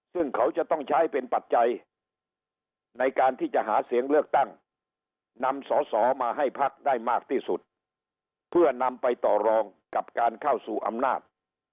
ซึ่งเขาจะต้องใช้เป็นปัจจัยในการที่จะหาเสียงเลือกตั้งนำสอสอมาให้พักได้มากที่สุดเพื่อนำไปต่อรองกับการเข้าสู่อำนาจ